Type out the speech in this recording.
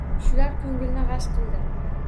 Shular ko‘ngilni g‘ash qildi.